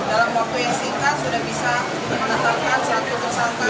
dalam waktu yang singkat sudah bisa menetapkan satu tersangka